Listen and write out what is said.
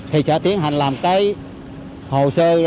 thì sẽ tiến hành làm cái hồ sơ